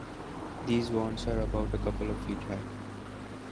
These wands are about a couple of feet high.